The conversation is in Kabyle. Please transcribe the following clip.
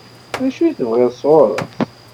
D acu i tebɣiḍ sɣur-s?